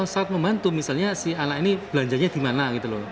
saat membantu misalnya si anak ini belanjanya di mana gitu loh